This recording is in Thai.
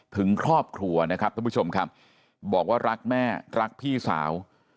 ถึงครอบครัวนะครับท่านผู้ชมครับบอกว่ารักแม่รักพี่สาว